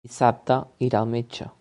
Dissabte irà al metge.